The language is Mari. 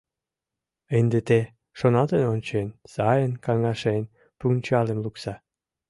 Ынде те, шоналтен ончен, сайын каҥашен, пунчалым лукса.